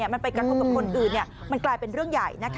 มันไปกระทบกับคนอื่นมันกลายเป็นเรื่องใหญ่